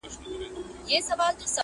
ورور د وجدان اور کي سوځي